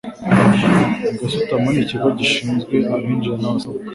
gasutamo n Ikigo gishinzwe abinjira n abasohoka